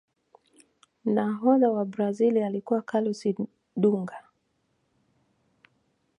nahodha wa brazil alikuwa carlos dunga